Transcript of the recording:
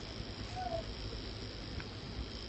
მარტის ბოლოს კვლავ ეროვნულმა გარდამავალმა საბჭომ აიღო.